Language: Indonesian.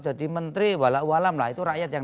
jadi menteri walau walam lah itu rakyat yang